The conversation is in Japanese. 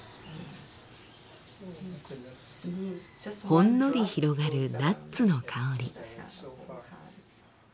ほんのり広がるナッツの香り。